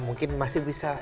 mungkin masih bisa